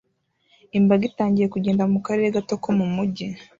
Imbaga itangiye kugenda mukarere gato ko mumujyi